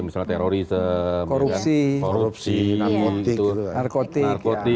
misalnya terorisme korupsi narkotik